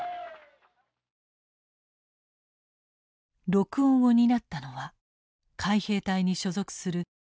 録音を担ったのは海兵隊に所属するラジオ通信兵。